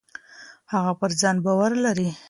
هغه پر ځان باور لري.